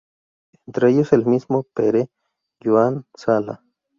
Entre ellos el mismo Pere Joan Sala.